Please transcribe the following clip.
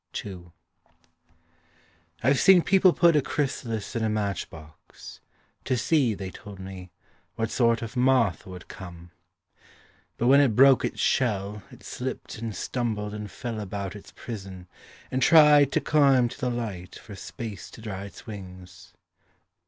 II I've seen people put A chrysalis in a match box, "To see," they told me, "what sort of moth would come." But when it broke its shell It slipped and stumbled and fell about its prison And tried to climb to the light For space to dry its wings.